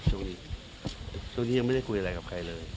ช่วงนี้ยังไม่ได้คุยอะไรกับใครเลย